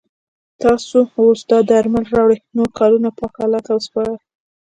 تاسو اوس دا درمل راوړئ نور کارونه پاک الله ته وسپاره.